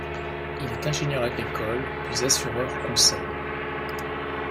Il est ingénieur agricole puis assureur-conseil.